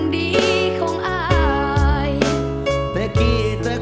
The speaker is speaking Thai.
ได้ขยะมาเลยครับ